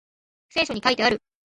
聖書に書いてある